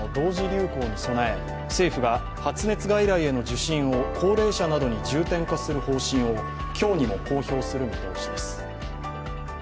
流行に備え政府が発熱外来への受診を高齢者などに重点化する方針を今日にも公表する見通しです。